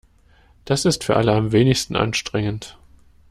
Das ist für alle am wenigsten anstrengend.